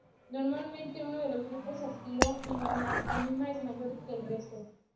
Normalmente uno de los grupos alquilo en la amina es mayor que el resto.